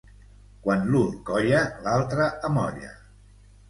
Quan l'un colla, l'altre amolla.